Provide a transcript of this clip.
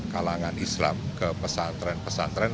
kalangan islam ke pesantren pesantren